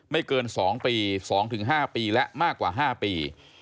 ไม่เกิน๒ปี๒๕ปีและมากกว่า๕ปี